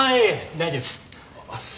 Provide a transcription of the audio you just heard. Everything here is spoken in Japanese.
大丈夫です。